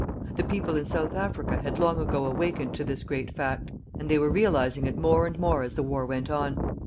The people in South Africa had long ago awakened to this great fact, and they were realizing it more and more as the war went on.